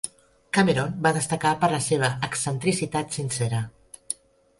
Cameron va destacar per la seva excentricitat sincera.